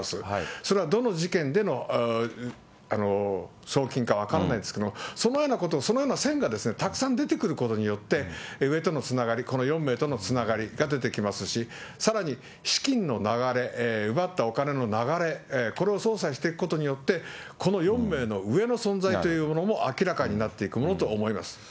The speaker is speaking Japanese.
それはどの事件での送金かは分からないんですけれども、そのようなことを、そのような線がたくさん出てくることによって、上とのつながり、この４名とのつながりが出てきますし、さらに資金の流れ、奪ったお金の流れ、これを捜査していくことによって、この４名の上の存在というものも、明らかになっていくものと思います。